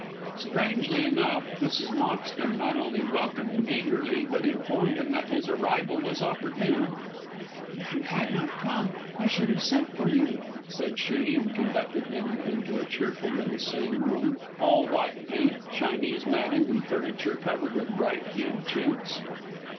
Strangely enough Mrs. Moxton not only welcomed him eagerly, but informed him that his arrival was opportune. "If you had not come I should have sent for you," said she, and conducted him into a cheerful little sitting room all white paint, Chinese matting, and furniture covered with bright hued chintz.